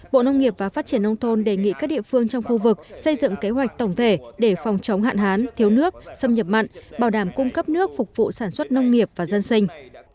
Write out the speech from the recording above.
bộ nông nghiệp và phát triển nông thôn đề nghị các địa phương trong khu vực xây dựng kế hoạch tổng thể để phòng chống hạn hán thiếu nước xâm nhập mặn bảo đảm cung cấp nước phục vụ sản xuất nông nghiệp và dân sinh